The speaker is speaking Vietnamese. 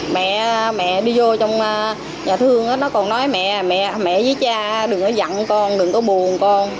mẹ đi vô trong nhà thương nó còn nói mẹ với cha đừng có giận con đừng có buồn con